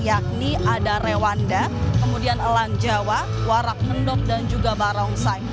yakni ada rewanda kemudian elang jawa warak mendok dan juga barongsai